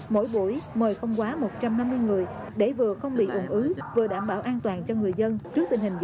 mỗi buổi mời không quá một trăm năm mươi người để vừa không bị ủng ứ vừa đảm bảo an toàn cho người dân